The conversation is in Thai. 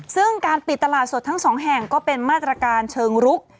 ซึ่งการปิดตลาดสดทั้งสองแห่งก็เป็นมาตรการเชิงรุก